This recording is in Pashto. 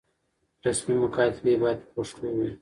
رسمي مکاتبې بايد په پښتو وي.